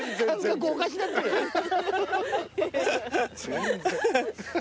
全然。